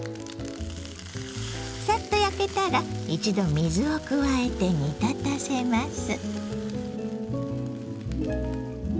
さっと焼けたら一度水を加えて煮立たせます。